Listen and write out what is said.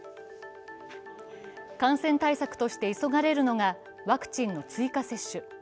感染対策として急がれるのがワクチンの追加接種。